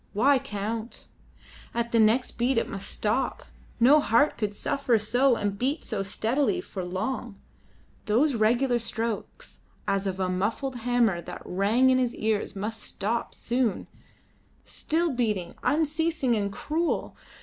Why count? At the next beat it must stop. No heart could suffer so and beat so steadily for long. Those regular strokes as of a muffled hammer that rang in his ears must stop soon. Still beating unceasing and cruel.